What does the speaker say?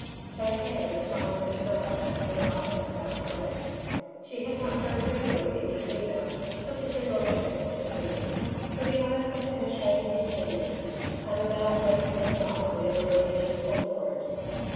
Her hair was a fine rich brown, and her eyes dark grey. She had not very regular features either, but the general eflFect was pleasing, for the eyes were penetrating and genuine, and the mouth ready with a smile whenever occasion called for it.